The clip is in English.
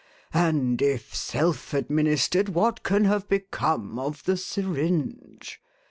And, if self administered, what can have become of the syringe?